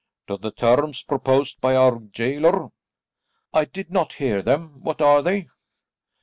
"To the terms proposed by our gaoler." "I did not hear them; what are they?"